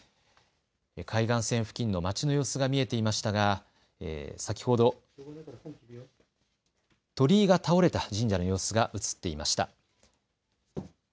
海岸線付近の町の様子が見えていましたが、先ほど鳥居が倒れた神社の様子が映っていました。